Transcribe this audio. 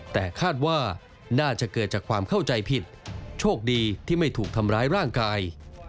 แต่คาดว่าน่าจะเกิดจากความเข้าใจผิดโชคดีที่ไม่ถูกทำร้ายร่างกาย